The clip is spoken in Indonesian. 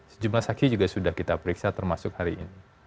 sejumlah saksi juga sudah kita periksa termasuk hari ini